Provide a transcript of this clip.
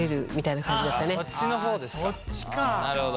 なるほど。